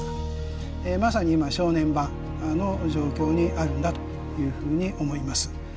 ええまさに今正念場の状況にあるんだというふうに思います。